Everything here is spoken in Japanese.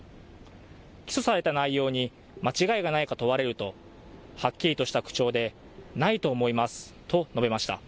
起訴された内容に間違いがないか問われるとはっきりとした口調でないと思いますと述べました。